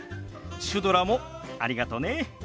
シュドラもありがとね。